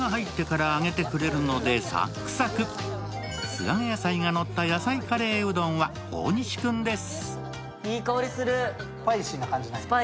素揚げ野菜がのった野菜カレーうどんは大西君です。